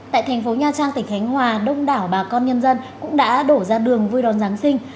tại thành phố nha trang tỉnh khánh hòa đông đảo bà con nhân dân cũng đã đổ ra đường vui đón giáng sinh